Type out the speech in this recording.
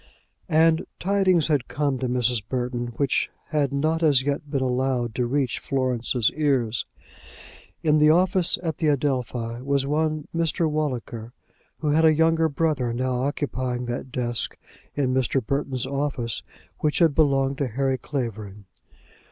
And tidings had come to Mrs. Burton which had not as yet been allowed to reach Florence's ears. In the office at the Adelphi was one Mr. Walliker, who had a younger brother now occupying that desk in Mr. Burton's office which had belonged to Harry Clavering.